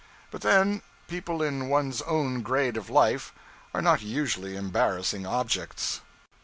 But then, people in one's own grade of life are not usually embarrassing objects.